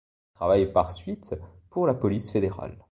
Il travaille par suite pour la police fédérale.